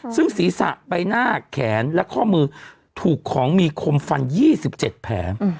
ซึ่งศีรษะใบหน้าแขนและข้อมือถูกของมีคมฟัน๒๗แผล